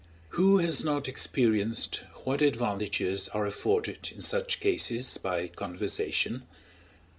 Who has not experienced what advantages are afforded in such cases by conversation?